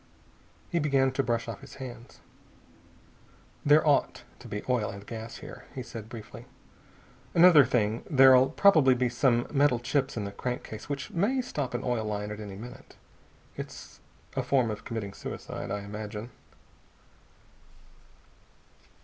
He began to brush off his hands. "There ought to be oil and gas here," he said briefly. "Another thing, there'll probably be some metal chips in the crankcase, which may stop an oil line at any minute. It's a form of committing suicide, I imagine."